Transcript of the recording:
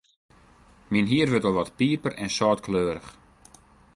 Myn hier wurdt al wat piper-en-sâltkleurich.